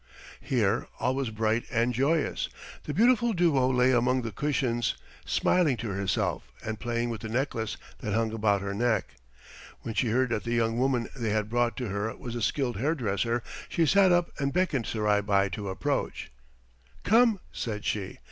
Here all was bright and joyous. The beautiful Duo lay among the cushions, smiling to herself and playing with the necklace that hung about her neck. When she heard that the young woman they had brought to her was a skilled hairdresser, she sat up and beckoned Surai Bai to approach. "Come!" said she.